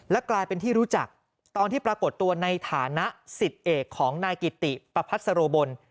กลายเป็นที่รู้จักตอนที่ปรากฏตัวในฐานะสิทธิ์เอกของนายกิติประพัสโรบล